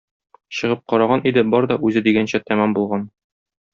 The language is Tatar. Чыгып караган иде, бар да үзе дигәнчә тәмам булган.